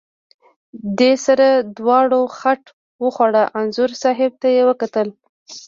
دې سره دواړو خټ وخوړه، انځور صاحب ته یې وکتل.